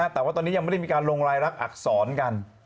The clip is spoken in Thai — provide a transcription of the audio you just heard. แต่ว่าตอนนี้ยังไม่ได้มีการลงรายรักอักษรกัน